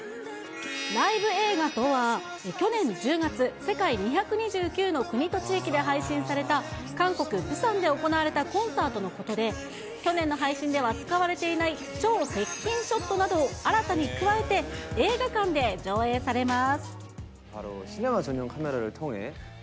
ライブ映画とは、去年１０月、世界２２９の国と地域で配信された、韓国・プサンで行われたコンサートのことで、去年の配信では使われていない超接近ショットなどを新たに加えて、映画館で上映されます。